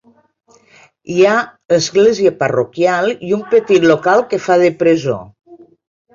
Hi ha església parroquial i un petit local que fa de presó.